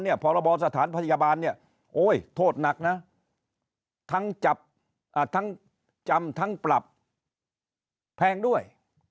แต่พรบสถานพจบาลโอ้ยโทษหนักนะทั้งจำทั้งปรับแพงด้วย